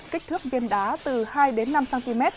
kích thước viên đá từ hai đến năm cm